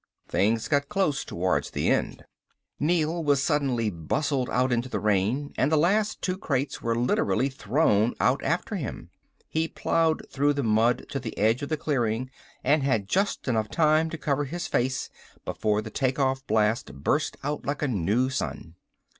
Things got close towards the end. Neel was suddenly bustled out into the rain and the last two crates were literally thrown out after him. He plowed through the mud to the edge of the clearing and had just enough time to cover his face before the take off blast burst out like a new sun.